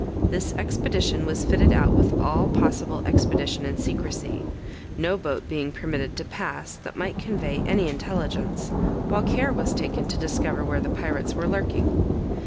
This expedition was fitted out with all possible expedition and secrecy, no boat being permitted to pass that might convey any intelligence, while care was taken to discover where the pirates were lurking.